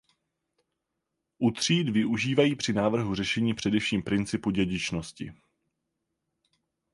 U tříd využívají při návrhu řešení především principu dědičnosti.